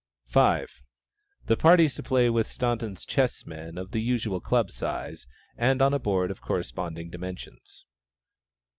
5. The parties to play with Staunton chessmen of the usual club size, and on a board of corresponding dimensions.